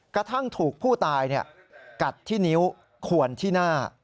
กระทั่งถูกผู้ตายกัดที่นิ้วขวนที่หน้า